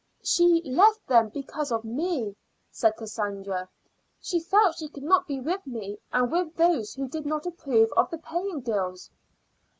"She left them because of me," said Cassandra. "She felt she could not be with me and with those who do not approve of the paying girls."